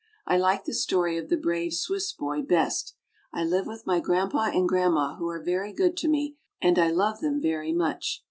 I like the story of "The Brave Swiss Boy" best. I live with my grandpa and grandma, who are very good to me, and I love them very much.